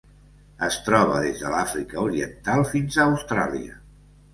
Es troba des de l'Àfrica Oriental fins a Austràlia.